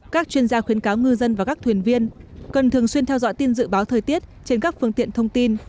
các chuyên gia khuyến cáo ngư dân và các thuyền viên cần thường xuyên theo dõi tin dự báo thời tiết trên các phương tiện thông tin